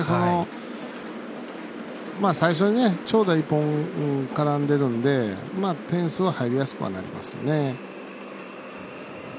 最初に長打１本、絡んでるんで点数は入りやすくはなりますよね。